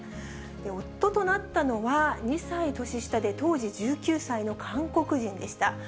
夫となったのは、２歳年下で当時１９歳の韓国人でした。